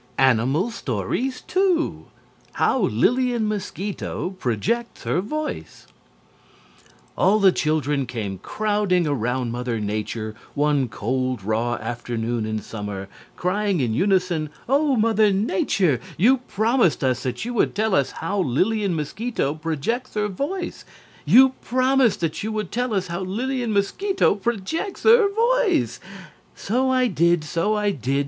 ANIMAL STORIES II How Lillian Mosquito Projects Her Voice All the children came crowding around Mother Nature one cold, raw afternoon in summer, crying in unison: "Oh, Mother Nature, you promised us that you would tell us how Lillian Mosquito projects her voice! You promised that you would tell us how Lillian Mosquito projects her voice!" "So I did! So I did!"